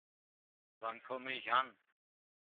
Wann komme ich an?